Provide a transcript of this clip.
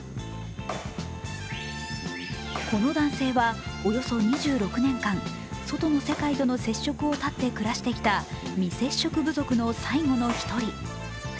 この男性はおよそ２６年間、外の世界との接触を絶って暮らしてきた未接触部族の最後の１人。